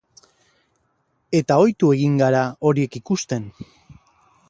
Eta ohitu egin gara horiek ikusten.